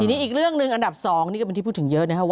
ทีนี้อีกเรื่องหนึ่งอันดับ๒นี่ก็เป็นที่พูดถึงเยอะนะครับ